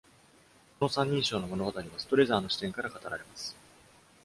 この三人称の物語は、ストレザーの視点から語られます。